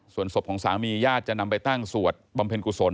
ส่วนศพของสามีญาติจะนำไปตั้งสวดบำเพ็ญกุศล